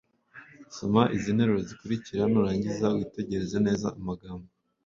Soma izi nteruro zikurikira nurangiza witegereze neza amagambo